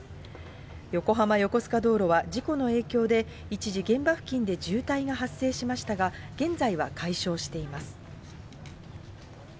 横浜横須賀道路は事故の影響で、一時、現場付近で渋滞が発生しましたが、現在は解消しています。